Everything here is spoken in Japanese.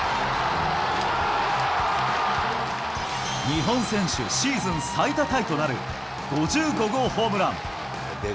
日本選手シーズン最多タイとなる５５号ホームラン。